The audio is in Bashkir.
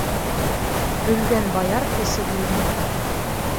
Бөлгән баяр эсеп үлгән.